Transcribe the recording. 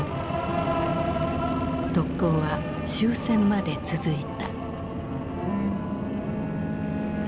特攻は終戦まで続いた。